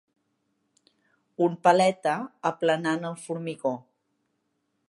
Un paleta aplanant el formigó.